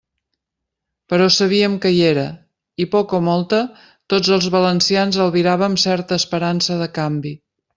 Però sabíem que hi era, i, poca o molta, tots els valencians albiràvem certa esperança de canvi.